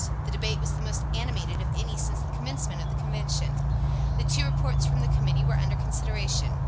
The debate was the most animated of any since the commencement of the Convention. The two reports from the Committee were under consideration.